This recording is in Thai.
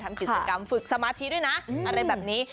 ทำกิจกรรมฝึกสมาธิด้วยนะอะไรแบบนี้